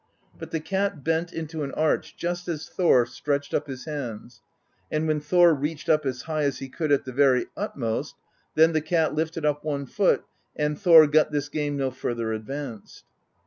But the cat bent into an arch just as Thor stretched up his hands; and when Thor reached up as high as he could at the very utmost, then the cat lifted up one foot, and Thor got this game no further advanced.